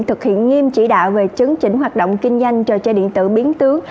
thực hiện nghiêm chỉ đạo về chấn chỉnh hoạt động kinh doanh trò chơi điện tử biến tướng